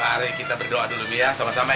mari kita berdoa dulu nih ya sama sama ya